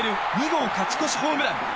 ２号勝ち越しホームラン。